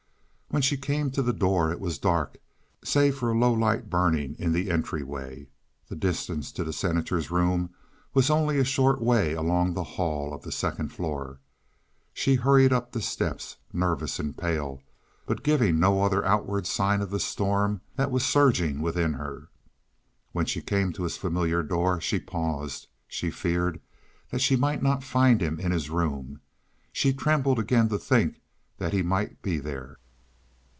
When she came to the door it was dark save for a low light burning in the entry way. The distance to the Senator's room was only a short way along the hall of the second floor. She hurried up the steps, nervous and pale, but giving no other outward sign of the storm that was surging within her. When she came to his familiar door she paused; she feared that she might not find him in his room; she trembled again to think that he might be there.